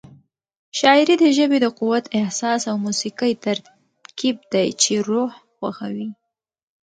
شاعري د ژبې د قوت، احساس او موسيقۍ ترکیب دی چې روح خوښوي.